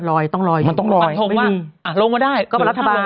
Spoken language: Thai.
ต้องลอยต้องลอยมันต้องลอยไม่มีอ่าลงมาได้ก็เป็นรัฐบาล